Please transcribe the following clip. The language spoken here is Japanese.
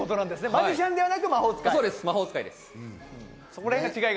マジシャンではなく魔法使い。